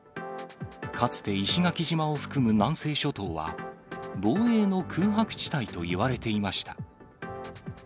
かつて石垣島を含む南西諸島は、防衛の空白地帯といわれていました。